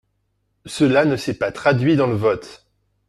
Cela ne s’est pas traduit dans le vote.